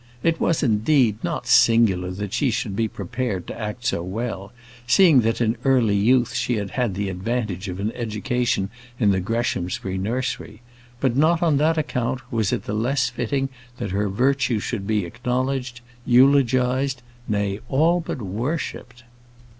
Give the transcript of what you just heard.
It was, indeed, not singular that she should be prepared to act so well, seeing that in early youth she had had the advantage of an education in the Greshamsbury nursery; but not on that account was it the less fitting that her virtue should be acknowledged, eulogised, nay, all but worshipped.